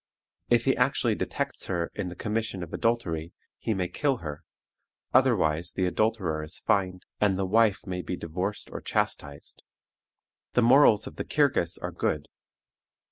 If he actually detects her in the commission of adultery, he may kill her, otherwise the adulterer is fined, and the wife may be divorced or chastised. The morals of the Kirghiz are good.